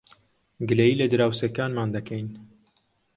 گلەیی لە دراوسێکانمان دەکەین.